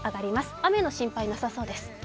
雨の心配はなさそうです。